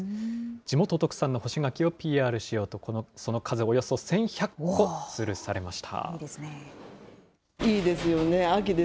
地元特産の干し柿をＰＲしようと、その数およそ１１００個、つるされました。